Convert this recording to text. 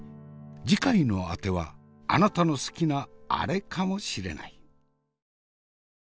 次回のあてはあなたの好きなアレかもしれない。